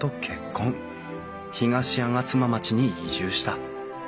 東吾妻町に移住した。